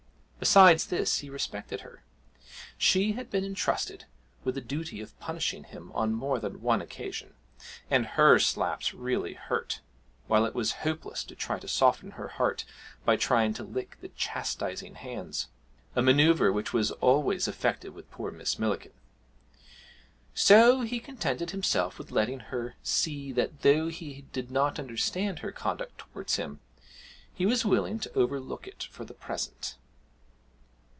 Besides this, he respected her: she had been intrusted with the duty of punishing him on more than one occasion, and her slaps really hurt, while it was hopeless to try to soften her heart by trying to lick the chastising hands a manoeuvre which was always effective with poor Miss Millikin. So he contented himself with letting her see that though he did not understand her conduct towards him, he was willing to overlook it for the present.